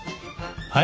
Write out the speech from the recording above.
はい？